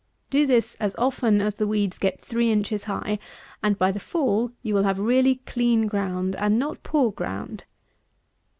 Do this as often as the weeds get three inches high; and by the fall, you will have really clean ground, and not poor ground.